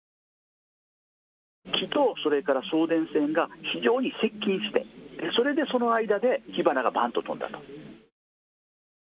木と送電線が非常に接近してそれでその間で火花がばーんと飛んだ。